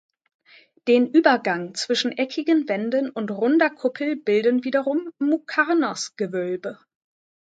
Den Übergang zwischen eckigen Wänden und runder Kuppel bilden wiederum Muqarnas-Gewölbe.